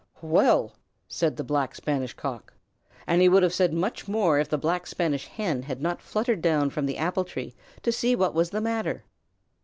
"Well!" said the Black Spanish Cock. And he would have said much more if the Black Spanish Hen had not fluttered down from the apple tree to see what was the matter.